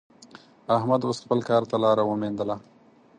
احمد اوس خپل کار ته لاره ومېندله.